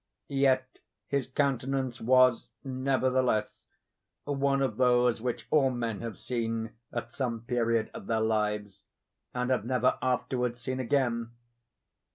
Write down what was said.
Yet his countenance was, nevertheless, one of those which all men have seen at some period of their lives, and have never afterwards seen again.